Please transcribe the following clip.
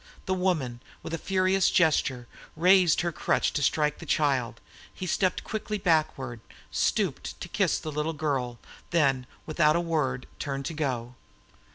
The woman, with a furious gesture, raised her crutch to strike the child; he stepped quickly backward, stooped to kiss the little girl, then, without a word, turned to go.